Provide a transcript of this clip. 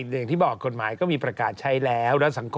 ไม่ทอมเขาก็มีภรรยาแหละครับ